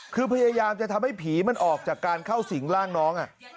คือพยายามจะทำให้ผีมันออกจากการเข้าสิงร่างน้อง